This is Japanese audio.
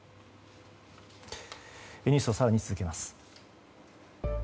ニュースを更に続けます。